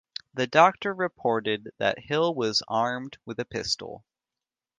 The doctor reported that Hill was armed with a pistol.